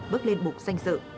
bước lên bục danh dự